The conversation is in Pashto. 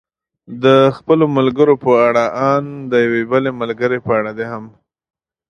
د خپلو ملګرو په اړه، ان د یوې بلې ملګرې په اړه دې هم.